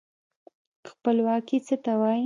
خپلواکي څه ته وايي؟